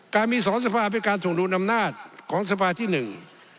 มีสองสภาเป็นการส่งดูนอำนาจของสภาที่หนึ่ง